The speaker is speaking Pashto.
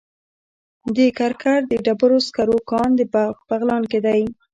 د کرکر د ډبرو سکرو کان په بغلان کې دی.